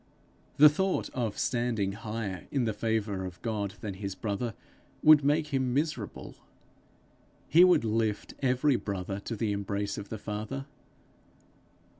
The thought of standing higher in the favour of God than his brother, would make him miserable. He would lift every brother to the embrace of the Father.